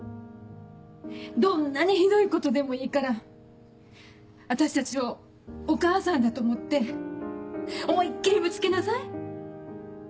どんなにひどいことでもいいから私たちをお母さんだと思って思いっ切りぶつけなさい。